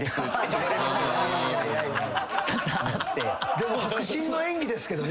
でも迫真の演技ですけどね。